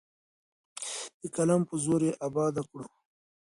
د قلم په زور یې اباده کړو.